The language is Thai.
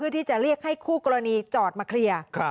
ที่จะเรียกให้คู่กรณีจอดมาเคลียร์